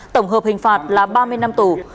tổng hợp hình phạt là ba mươi năm tù